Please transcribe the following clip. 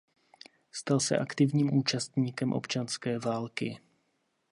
Stal se aktivním účastníkem občanské války.